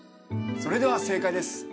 それでは正解です